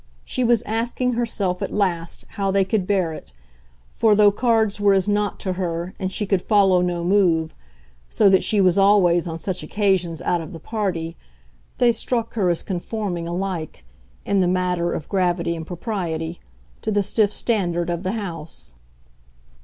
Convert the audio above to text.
She was asking herself at last how they could bear it for, though cards were as nought to her and she could follow no move, so that she was always, on such occasions, out of the party, they struck her as conforming alike, in the matter of gravity and propriety, to the stiff standard of the house.